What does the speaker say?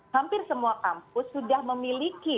hampir semua kampus sudah memiliki